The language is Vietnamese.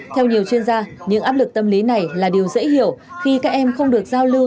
theo nhiều chuyên gia những áp lực tâm lý này là điều dễ hiểu khi các em không được giao lưu